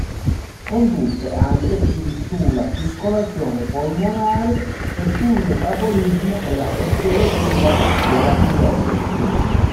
Condusse anche studi sulla circolazione polmonare e sul metabolismo e la fisiologia della tiroide.